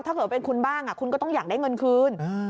ถ้าเกิดเป็นคุณบ้างคุณก็ต้องอยากได้เงินคืน